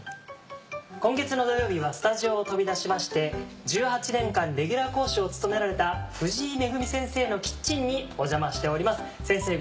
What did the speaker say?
今月の土曜日はスタジオを飛び出しまして１８年間レギュラー講師を務められた藤井恵先生のキッチンにお邪魔しております先生